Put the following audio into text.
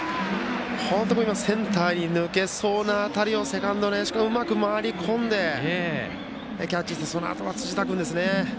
本当に今、センターに抜けそうな当たりをセカンドの林君がうまく回り込んでキャッチしてそのあとは辻田君ですね。